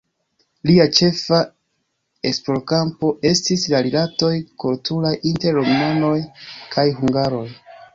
Lia ĉefa esplorkampo estis la rilatoj kulturaj inter rumanoj kaj hungaroj.